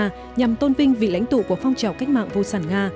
nhằm tôn vinh vị lãnh tụ của phong trào cách mạng vô sản nga